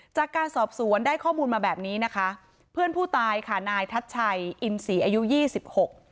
จากการสอบสวนได้ข้อมูลมาแบบนี้นะคะเพื่อนผู้ตายค่ะนายทัชชัยอินศรีอายุยี่สิบหก